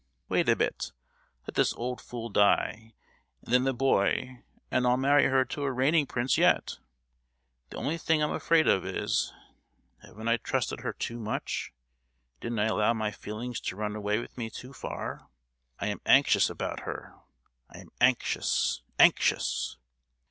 Wait a bit; let this old fool die, and then the boy, and I'll marry her to a reigning prince yet! The only thing I'm afraid of is—haven't I trusted her too much? Didn't I allow my feelings to run away with me too far? I am anxious about her. I am anxious, anxious!"